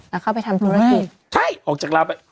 แล้วเข้าไปทำธุรกิจใช่ออกจากลาวไป